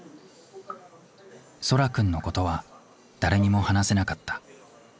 蒼空くんのことは誰にも話せなかった。